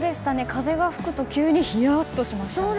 風が吹くと急にヒヤッとしました。